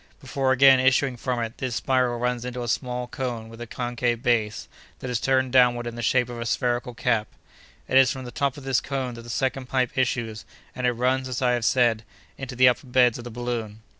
Before again issuing from it, this spiral runs into a small cone with a concave base, that is turned downward in the shape of a spherical cap. "It is from the top of this cone that the second pipe issues, and it runs, as I have said, into the upper beds of the balloon.